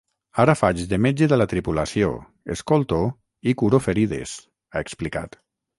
Ara faig de metge de la tripulació, escolto i curo ferides, ha explicat.